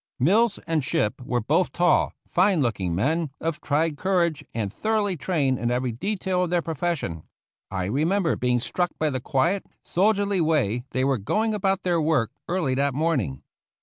Mills and Shipp were both tall, fine looking men, of tried courage, and thoroughly trained in every detail of their profession; I remember being struck by the quiet, soldierly way they were going about their work early that morning.